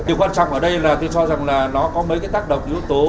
điều quan trọng ở đây là tôi cho rằng nó có mấy tác động yếu tố